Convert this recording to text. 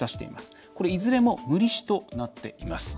いずれも、無利子となっています。